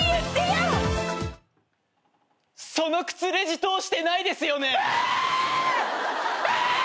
その靴レジ通してないですよね。